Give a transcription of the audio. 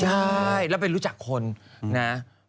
ใช่แล้วไปรู้จักคนนะ